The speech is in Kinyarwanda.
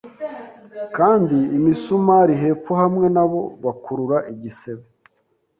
Kandi imisumari hepfo hamwe nabo bakurura igisebe